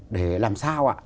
để làm sao ạ